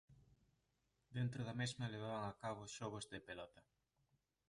Dentro da mesma levaban a cabo xogos de pelota.